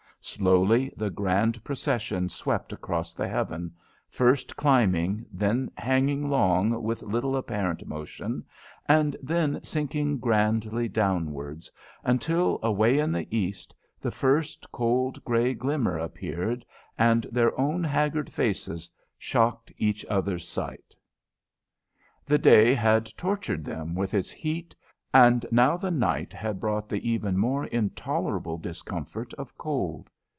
Slowly the grand procession swept across the heaven, first climbing, then hanging long with little apparent motion, and then sinking grandly downwards, until away in the east the first cold grey glimmer appeared, and their own haggard faces shocked each other's sight. The day had tortured them with its heat, and now the night had brought the even more intolerable discomfort of cold.